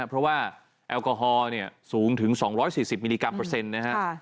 เพราะว่าแอลกอฮอล์เนี่ยสูงถึงสองร้อยสี่สิบมิลลิกรัมเปอร์เซ็นต์นะฮะค่ะ